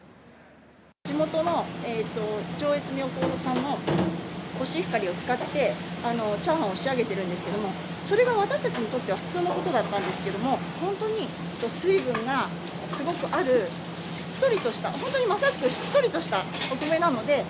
地元の上越妙高産のコシヒカリを使って、チャーハンを仕上げているんですけども、それが私たちにとっては普通のことだったんですけれども、本当に水分がすごくある、しっとりとした、本当にまさしくしっとりとしたお米なので。